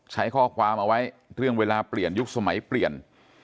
ใช้ข้อความเอาไว้เรื่องเวลาเปลี่ยนยุคสมัยเปลี่ยน